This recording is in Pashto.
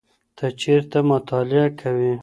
ته چېرته مطالعه کوې؟